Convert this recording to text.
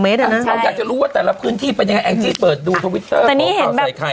เราอยากจะรู้ว่าแต่ละพื้นที่เป็นยังไงแองจี้เปิดดูทวิตเตอร์ข่าวใส่ไข่